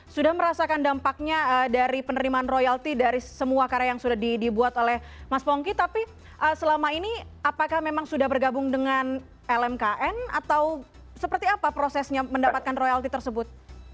sudah merasakan dampaknya dari penerimaan royalti dari semua karya yang sudah dibuat oleh mas pongki tapi selama ini apakah memang sudah bergabung dengan lmkn atau seperti apa prosesnya mendapatkan royalti tersebut